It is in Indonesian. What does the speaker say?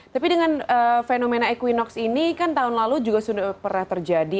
tapi dengan fenomena equinox ini kan tahun lalu juga sudah pernah terjadi